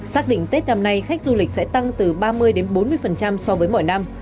xác định tết năm nay khách du lịch sẽ tăng từ ba mươi bốn mươi so với mọi năm